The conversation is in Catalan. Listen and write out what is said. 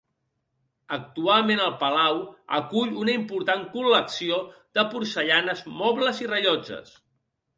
Actualment, el palau acull una important col·lecció de porcellanes, mobles i rellotges.